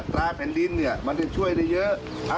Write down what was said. ตราแผ่นดินมันจะช่วยได้เยอะ